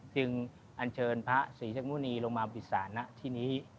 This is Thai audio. จึงอัญเชิญพระศรีศักยมุณีลงมาปริศาลที่นี้